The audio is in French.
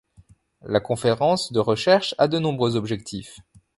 La conférence de recherche a de nombreux objectifs.